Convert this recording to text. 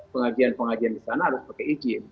pengajian pengajian di sana harus pakai izin